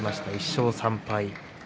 １勝３敗。